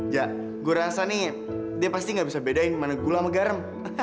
ya gue rasa nih dia pasti gak bisa bedain mana gula sama garam